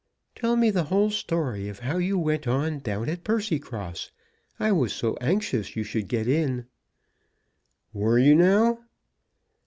"Tell me the whole story of how you went on down at Percycross. I was so anxious you should get in." "Were you now?"